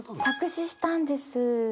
作詞したんです。